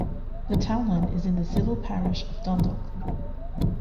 The townland is in the civil parish of Dundalk.